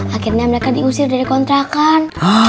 akhirnya mereka diusir dari kontrakan